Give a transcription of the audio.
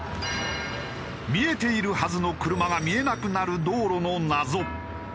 見えているはずの車が見えなくなる道路の謎。